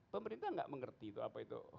pemerintah nggak mengerti itu apa itu